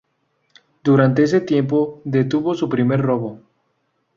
Durante ese tiempo detuvo su primer robo.